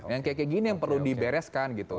yang kayak kainya yang perlu dibereskan gitu